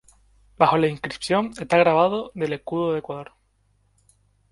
Bajo la inscripción está grabado del escudo de Ecuador.